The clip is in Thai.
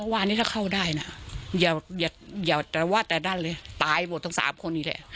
ว่านี้ถ้าเข้าได้นะอย่าวาดแต่ด้านเลยตายหมดทั้งสามคนอีกแหละ